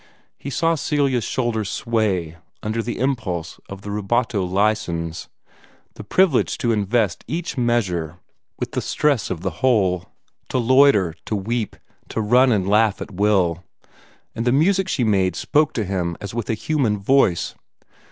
He saw Celia's shoulders sway under the impulse of the RUBATO license the privilege to invest each measure with the stress of the whole, to loiter, to weep, to run and laugh at will and the music she made spoke to him as with a human voice.